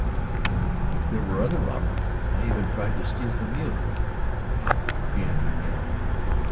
"And there were other robberies? I even tried to steal from you?" "Yes," she answered again.